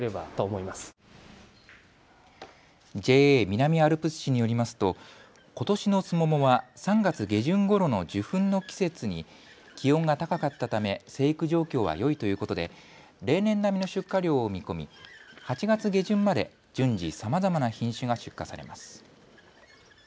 ＪＡ南アルプス市によりますとことしのスモモは３月下旬ごろの受粉の季節に気温が高かったため生育状況はよいということで例年並みの出荷量を見込み８月下旬まで順次さまざまな品種が出荷されます。